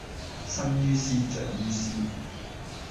生於斯，長於斯